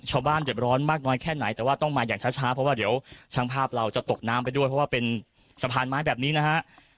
ชาวบ้านเจ็บร้อนมากน้อยแค่ไหนแต่ว่าต้องมาอย่างช้าเพราะว่าเดี๋ยวช่างภาพเราจะตกน้ำไปด้วยเพราะว่าเป็นสะพานไม้แบบนี้นะฮะ